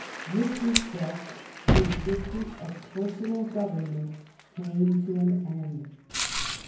With his death the existence of personal government came to an end.